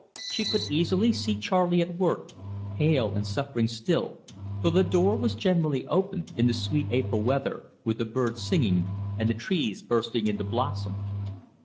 She could easily see Charley at work pale and suffering still for the door was generally open in the sweet April weather, with the birds singing, and the trees bursting into blossom.